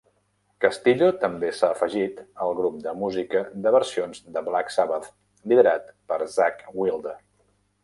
Castillo també s'ha afegit al grup de música de versions de Black Sabbath liderat per Zakk Wylde.